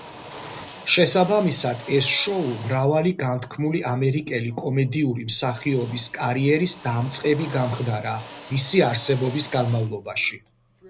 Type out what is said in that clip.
შესაბამისად, ეს შოუ მრავალი განთქმული ამერიკელი კომედიური მსახიობის კარიერის დამწყები გამხდარა მისი არსებობის განმავლობაში.